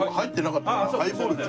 ハイボールで。